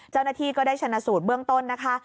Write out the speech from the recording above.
เจ้าหน้าที่ก็ได้ชนะสูตรเบื้องต้นนะคะ